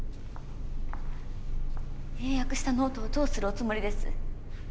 英訳したノートをどうするおつもりです。